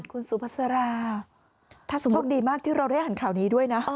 คุณสุภาษาราโชคดีมากที่เราได้เห็นข่าวนี้ด้วยนะ